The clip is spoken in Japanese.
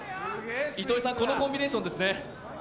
糸井さん、このコンビネーションですね。